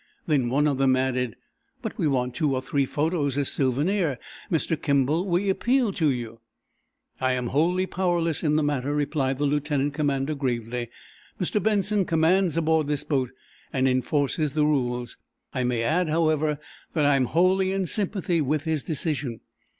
Then one of them added: "But we want two or three photos as souvenirs Mr. Kimball, we appeal to you." "I am wholly powerless in the matter," replied the lieutenant commander, gravely. "Mr. Benson commands aboard this boat, and enforces the rules. I may add, however, that am wholly in sympathy with his decision.